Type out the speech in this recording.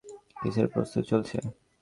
কীসের প্রস্তুতি চলছে?